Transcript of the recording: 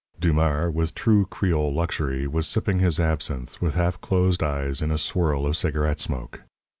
Dumars, with true Creole luxury, was sipping his absinthe, with half closed eyes, in a swirl of cigarette smoke.